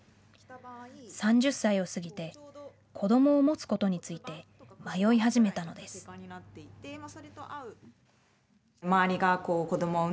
３０歳を過ぎて子どもを持つことについて迷い始めたのです。